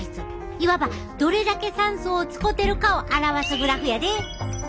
いわばどれだけ酸素を使てるかを表すグラフやで。